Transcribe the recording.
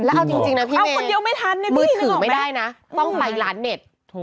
แล้วเอาจริงนะพี่เมย์มือถือไม่ได้นะต้องไปร้านเน็ต